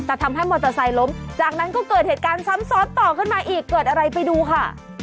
แต่ทำให้มอเตอร์ไซค์ล้มจากนั้นก็เกิดเหตุการณ์ซ้ำซ้อนต่อขึ้นมาอีกเกิดอะไรไปดูค่ะ